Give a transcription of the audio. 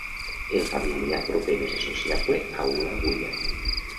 El familiar proper més associable a una agulla.